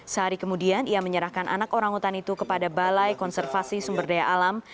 sehari kemudian ia menyerahkan anak orang utan itu kepada balai konservasi sumberdaya alam